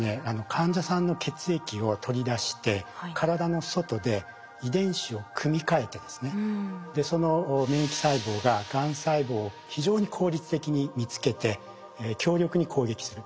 患者さんの血液を取り出して体の外で遺伝子を組み換えてですねその免疫細胞ががん細胞を非常に効率的に見つけて強力に攻撃する。